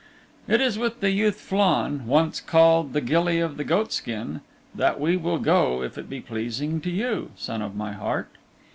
It is with the youth Flann, once called the Gilly of the Goatskin, that we will go if it be pleasing to you, Son of my Heart.